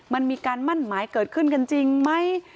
มันมีการมั่นหมายเกิดขึ้นกันจริงไหม